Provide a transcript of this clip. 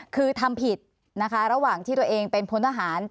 คือทำผิดนะคะระหว่างที่ตัวเองเป็นพลทหาร